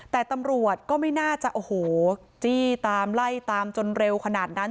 แต่ตำรวจก็ไม่น่าจะโอ้โหจี้ตามไล่ตามจนเร็วขนาดนั้น